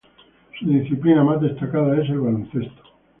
Su disciplina más destacada es el baloncesto.